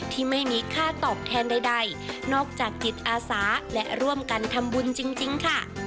ที่ไม่มีค่าตอบแทนใดนอกจากจิตอาสาและร่วมกันทำบุญจริงค่ะ